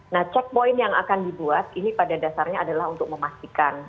nah checkpoint yang akan dibuat ini pada dasarnya adalah untuk memastikan